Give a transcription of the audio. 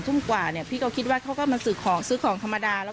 ทุ่มกว่าเนี่ยพี่ก็คิดว่าเขาก็มาซื้อของซื้อของธรรมดาแล้ว